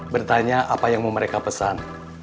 bertanya apa yang mau mereka pesan